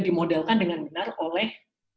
dimodelkan dengan benar oleh